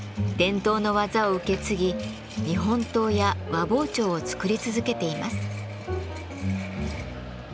伝統の技を受け継ぎ日本刀や和包丁を作り続けています。